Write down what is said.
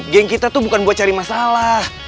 geng kita tuh bukan buat cari masalah